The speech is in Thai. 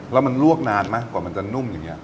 แล้วมันลวกนานไหมกว่ามันจะนุ่มอย่างนี้